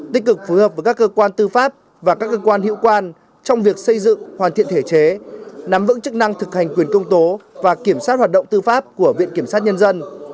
tích cực phối hợp với các cơ quan tư pháp và các cơ quan hiệu quan trong việc xây dựng hoàn thiện thể chế nắm vững chức năng thực hành quyền công tố và kiểm soát hoạt động tư pháp của viện kiểm sát nhân dân